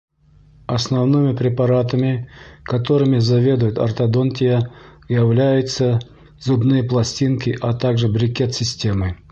Основными препаратами, которыми заведует Ортодонтия являются зубные пластинки, а также брекет - системы.